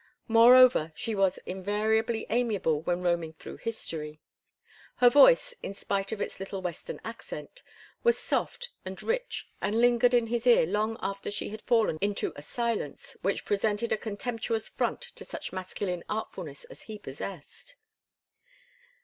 Moreover, she was invariably amiable when roaming through history. Her voice, in spite of its little Western accent, was soft and rich and lingered in his ear long after she had fallen into a silence which presented a contemptuous front to such masculine artfulness as he possessed.